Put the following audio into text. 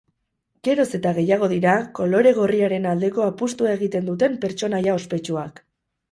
Geroz eta gehiago dira kolore gorriaren aldeko apustua egiten duten pertsonaia ospetsuak.